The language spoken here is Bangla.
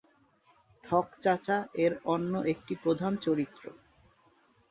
‘ঠকচাচা’ এর অন্য একটি প্রধান চরিত্র।